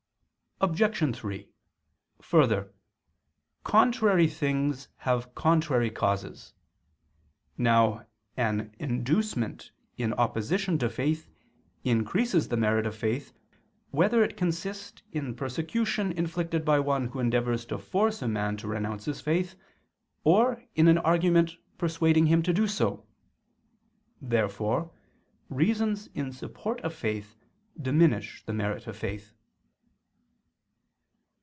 Obj. 3: Further, contrary things have contrary causes. Now an inducement in opposition to faith increases the merit of faith whether it consist in persecution inflicted by one who endeavors to force a man to renounce his faith, or in an argument persuading him to do so. Therefore reasons in support of faith diminish the merit of faith.